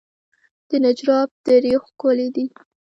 د نجراب درې ښکلې دي